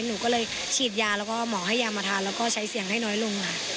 หนูก็เลยฉีดยาแล้วก็หมอให้ยามาทานแล้วก็ใช้เสียงให้น้อยลงค่ะ